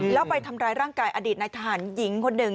แล้วไปทำร้ายร่างกายอดีตในทหารหญิงคนหนึ่ง